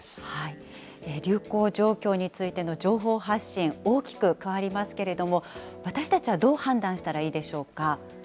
流行状況についての情報発信、大きく変わりますけれども、私たちはどう判断したらいいでしょうか。